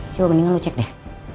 coba mendingan lu cek deh